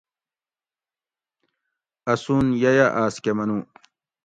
اسون ییہ آس کہ منو